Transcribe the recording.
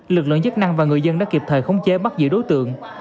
lực lượng chức năng và người dân đã kịp thời khống chế bắt giữ đối tượng